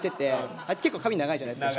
あいつ結構髪長いじゃないですか。